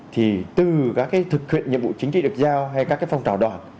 thì từ các thực hiện nhiệm vụ chính trị được giao hay các phong trào đoàn